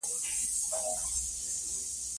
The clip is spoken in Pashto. په افغانستان کې اقلیم د خلکو د اعتقاداتو سره تړاو لري.